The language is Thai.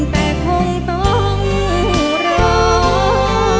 แต่คงต้องรอ